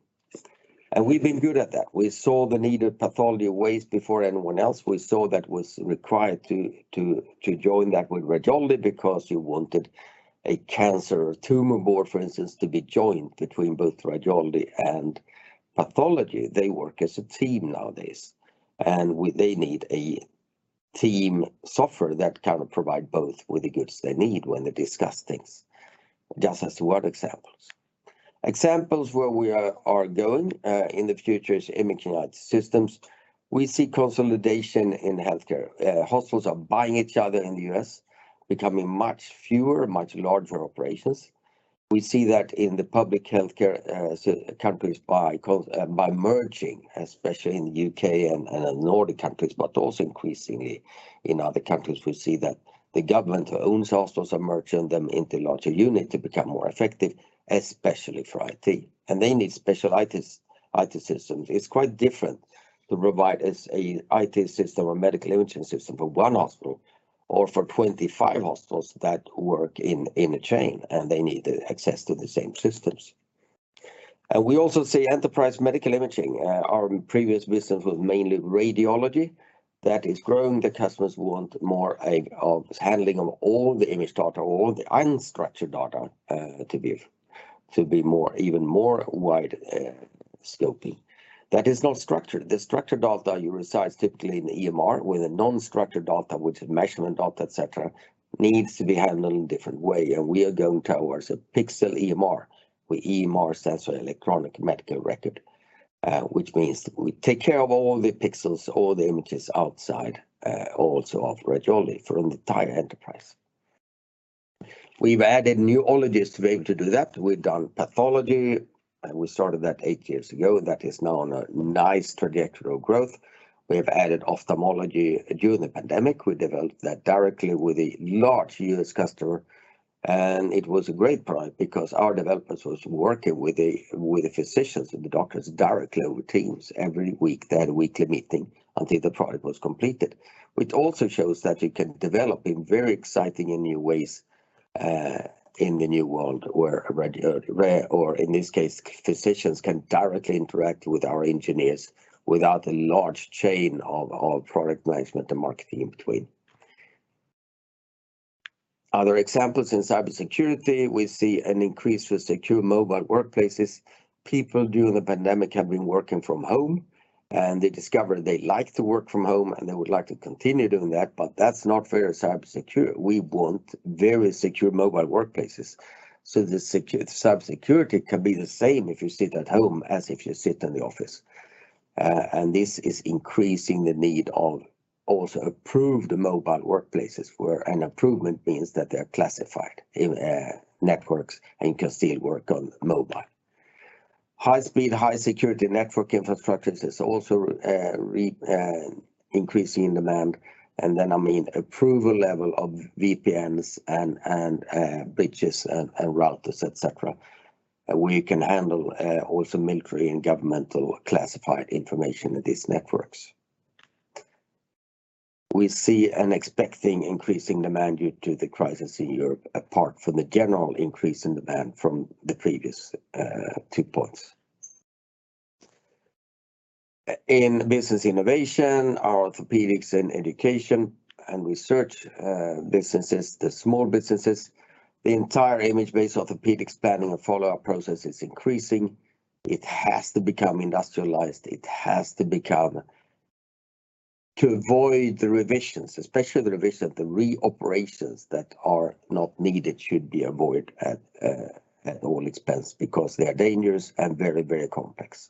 We've been good at that. We saw the need for pathology way before anyone else. We saw that was required to join that with radiology because you wanted a cancer tumor board, for instance, to be joined between both radiology and pathology. They work as a team nowadays, they need a team software that can provide both with the goods they need when they discuss things, just as one example. Examples where we are going in the future is Imaging IT systems. We see consolidation in healthcare. Hospitals are buying each other in the U.S., becoming much fewer, much larger operations. We see that in the public healthcare, so countries by merging, especially in the U.K. and Nordic countries, but also increasingly in other countries. We see that the government who owns hospitals are merging them into larger unit to become more effective, especially for IT, and they need special IT systems. It's quite different to provide as a IT system or medical imaging system for one hospital or for 25 hospitals that work in a chain, and they need the access to the same systems. We also see enterprise medical imaging. Our previous business was mainly radiology. That is growing. The customers want more of handling of all the image data, all the unstructured data, to be more, even more wide scope. That is not structured. The structured data resides typically in the EMR, where the non-structured data, which is measurement data, et cetera, needs to be handled in different way, and we are going towards a pixel EMR, where EMR stands for electronic medical record, which means we take care of all the pixels, all the images outside, also of radiology for the entire enterprise. We've added new ologies to be able to do that. We've done pathology, and we started that eight years ago. That is now on a nice trajectory of growth. We have added ophthalmology during the pandemic. We developed that directly with a large U.S. customer, and it was a great product because our developers was working with the physicians and the doctors directly over Teams every week. They had a weekly meeting until the product was completed, which also shows that you can develop in very exciting and new ways, in the new world where or in this case, physicians can directly interact with our engineers without a large chain of product management and marketing in between. Other examples in cybersecurity, we see an increase with secure mobile workplaces. People during the pandemic have been working from home, and they discover they like to work from home, and they would like to continue doing that, but that's not very secure. We want very secure mobile workplaces. Cybersecurity can be the same if you sit at home as if you sit in the office, and this is increasing the need of also approved mobile workplaces, where an approved one means that they're classified in networks and can still work on mobile. High speed, high security network infrastructures is also increasing in demand, and then, I mean, approval level of VPNs and bridges and routers, et cetera, where you can handle also military and governmental classified information in these networks. We see and expecting increasing demand due to the crisis in Europe, apart from the general increase in demand from the previous two points. In Business Innovation, our orthopedics and education and research businesses, the entire image-based orthopedic planning and follow-up process is increasing. It has to become industrialized. It has to be done to avoid the revisions, especially the revision, the reoperations that are not needed should be avoided at all costs because they are dangerous and very, very complex.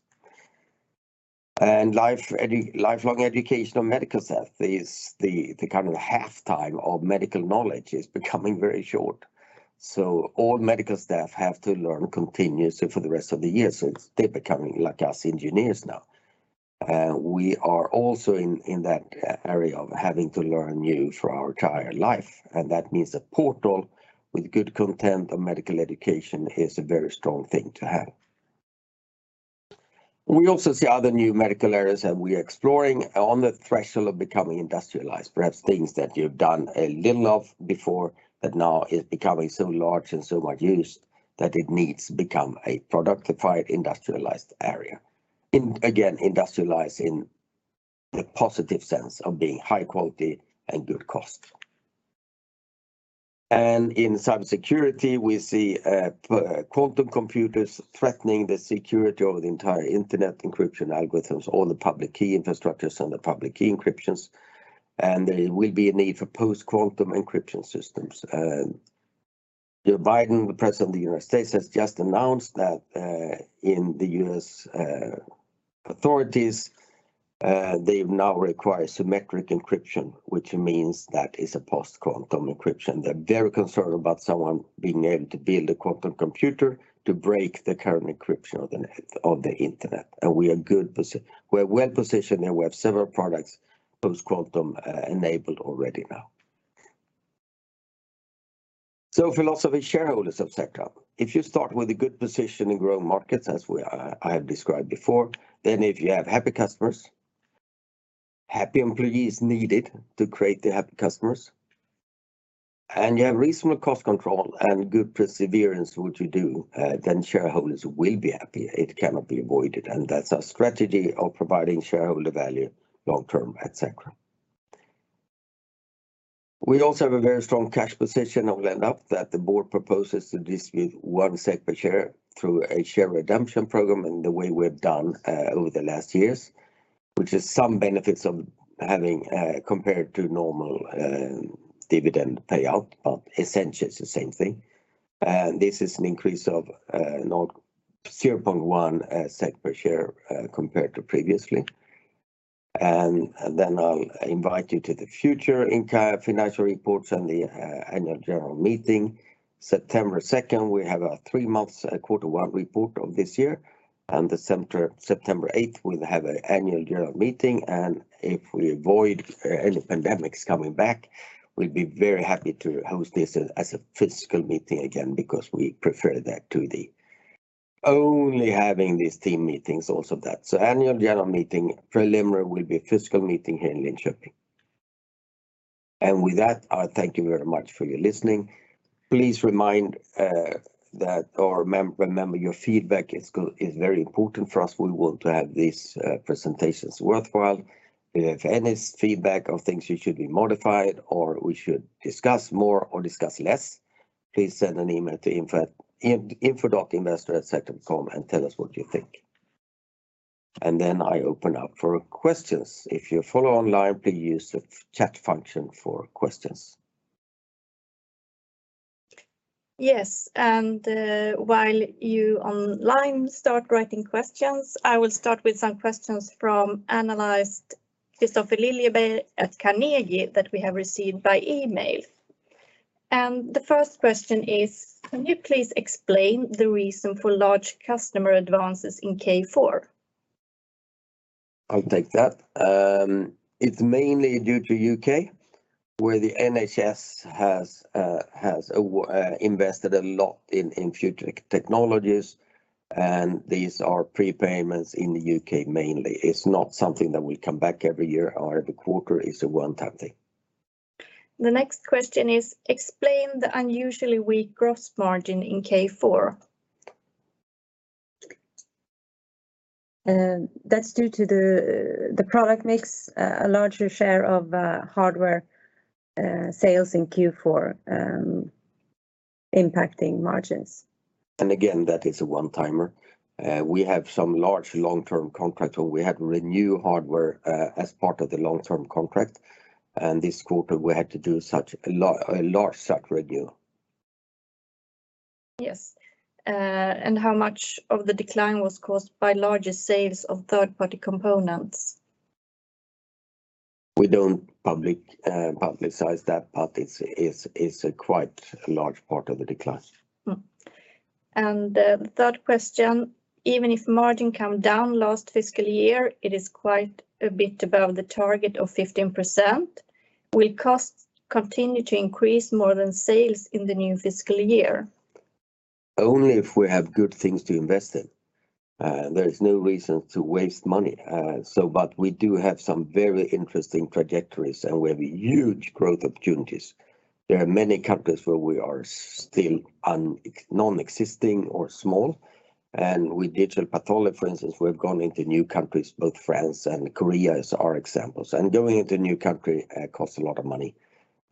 Lifelong education of medical staff is the kind of half-life of medical knowledge is becoming very short. All medical staff have to learn continuously for the rest of the years. They're becoming like us engineers now. We are also in that area of having to learn new for our entire life, and that means a portal with good content of medical education is a very strong thing to have. We also see other new medical areas that we're exploring on the threshold of becoming industrialized. Perhaps things that you've done a little of before, but now is becoming so large and so much used that it needs to become a productified industrialized area. Industrialize in the positive sense of being high quality and good cost. In cybersecurity, we see quantum computers threatening the security of the entire internet, encryption algorithms, all the public key infrastructures, and the public key encryptions, and there will be a need for post-quantum encryption systems. Joe Biden, the President of the United States, has just announced that, in the U.S., authorities, they now require symmetric encryption, which means that is a post-quantum encryption. They're very concerned about someone being able to build a quantum computer to break the current encryption of the internet, and we are well-positioned, and we have several products post-quantum enabled already now. Philosophy for shareholders of Sectra. If you start with a good position in growth markets, as we are, as I have described before, then if you have happy customers, happy employees needed to create the happy customers, and you have reasonable cost control and good perseverance in what you do, then shareholders will be happy. It cannot be avoided, and that's our strategy of providing shareholder value long-term, et cetera. We also have a very strong cash position, and the board proposes to distribute 1 SEK per share through a share redemption program in the way we've done over the last years, which has some benefits compared to a normal dividend payout, but essentially it's the same thing. This is an increase of 0.1 SEK per share compared to previously. Then I'll invite you to the future interim financial reports and the annual general meeting. September 2nd, we have a three-month quarter one report of this year, and September 8, we'll have an annual general meeting. If we avoid any pandemics coming back, we'd be very happy to host this as a physical meeting again because we prefer that to only having these Teams meetings. Annual general meeting preliminary will be physical meeting here in Linköping. With that, I thank you very much for your listening. Please remember that your feedback is very important for us. We want to have these presentations worthwhile. If you have any feedback on things that should be modified or we should discuss more or discuss less, please send an email to info.investor@sectra.com and tell us what you think. Then I open up for questions. If you follow online, please use the chat function for questions. Yes, while you're online start writing questions, I will start with some questions from analyst Kristofer Liljeberg at Carnegie that we have received by email. The first question is, can you please explain the reason for large customer advances in Q4? I'll take that. It's mainly due to U.K., where the NHS has invested a lot in future technologies, and these are prepayments in the U.K. mainly. It's not something that will come back every year or every quarter. It's a one-time thing. The next question is, explain the unusually weak gross margin in Q4. That's due to the product mix, a larger share of hardware sales in Q4, impacting margins. Again, that is a one-timer. We have some large long-term contracts where we had to renew hardware, as part of the long-term contract, and this quarter we had to do such a large such review. Yes. How much of the decline was caused by larger sales of third-party components? We don't publicize that, but it's a quite large part of the decline. The third question, even if margin come down last fiscal year, it is quite a bit above the target of 15%. Will costs continue to increase more than sales in the new fiscal year? Only if we have good things to invest in. There is no reason to waste money. But we do have some very interesting trajectories, and we have huge growth opportunities. There are many countries where we are still nonexistent or small, and with digital pathology, for instance, we've gone into new countries, both France and Korea as our examples. Going into a new country costs a lot of money.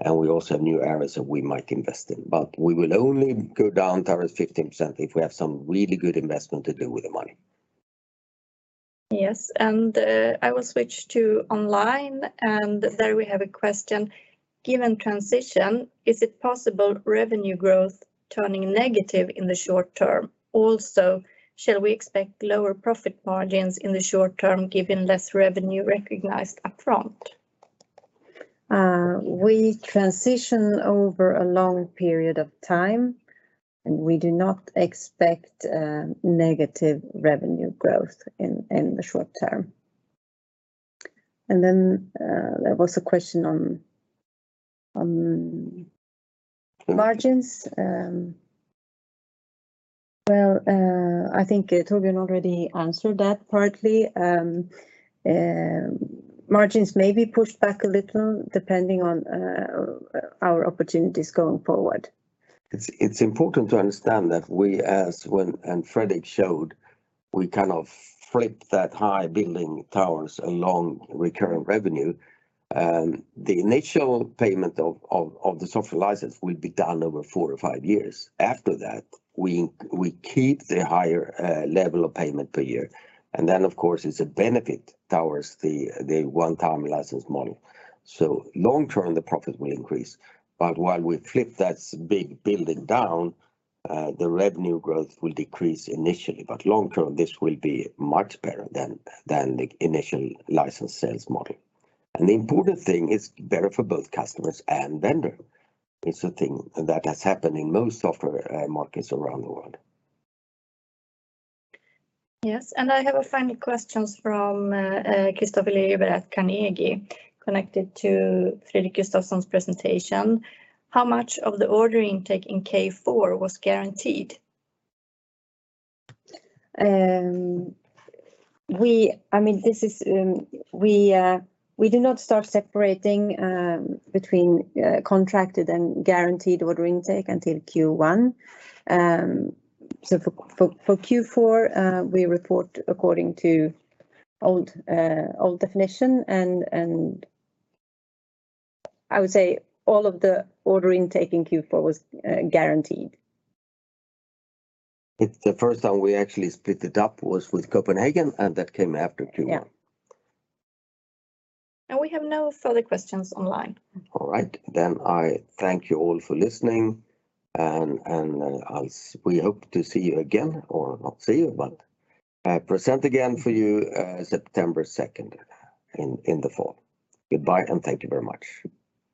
We also have new areas that we might invest in, but we will only go down towards 15% if we have some really good investment to do with the money. Yes, I will switch to online, and there we have a question. Given transition, is it possible revenue growth turning negative in the short term? Also, shall we expect lower profit margins in the short term given less revenue recognized upfront? We transition over a long period of time, and we do not expect negative revenue growth in the short term. There was a question on margins. Well, I think Torbjörn already answered that partly. Margins may be pushed back a little depending on our opportunities going forward. It's important to understand that Fredrik showed we kind of flipped the high billing towards recurring revenue. The initial payment of the software license will be done over four or five years. After that, we keep the higher level of payment per year, and then of course it's a benefit towards the one-time license model. Long term, the profits will increase, but while we flip that big billing down, the revenue growth will decrease initially, but long term this will be much better than the initial license sales model. The important thing, it's better for both customers and vendor. It's a thing that has happened in most software markets around the world. Yes, I have a final question from Kristofer Liljeberg at Carnegie connected to Fredrik Gustavsson's presentation. How much of the order intake in Q4 was guaranteed? We do not start separating between contracted and guaranteed order intake until Q1. For Q4, we report according to old definition and I would say all of the order intake in Q4 was guaranteed. It's the first time we actually split it up was with Copenhagen, and that came after Q1. Yeah. We have no further questions online. All right, I thank you all for listening, and we hope to see you again, or not see you, but present again for you September 2nd in the fall. Goodbye, and thank you very much.